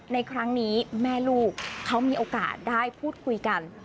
ในครั้งนี้แม่ลูกเขามีโอกาสได้พูดคุยกัน